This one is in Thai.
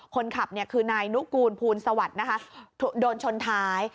คนขับคือนายนุกูลภูลสวัสดิ์นะคะโดนชนท้าย